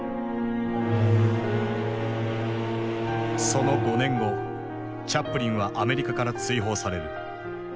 その５年後チャップリンはアメリカから追放される。